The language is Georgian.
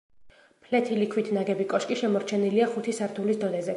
ფლეთილი ქვით ნაგები კოშკი შემორჩენილია ხუთი სართულის დონეზე.